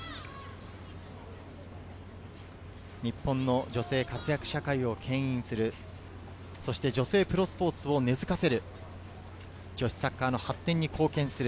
日本の女性活躍社会をけん引する、そして女性プロスポーツを根付かせる、女子サッカーの発展に貢献する。